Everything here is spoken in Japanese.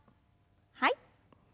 はい。